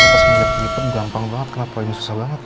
kita sendiri gitu gampang banget kenapa ini susah banget ya